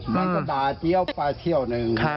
มันก็ด่าเตี้ยวป้าเที่ยวหนึ่ง